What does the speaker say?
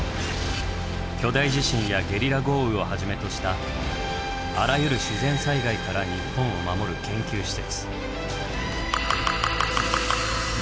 巨大地震やゲリラ豪雨をはじめとしたあらゆる自然災害から日本を守る研究施設。